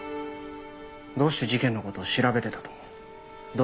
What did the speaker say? どうして事件の事を調べてたと思う？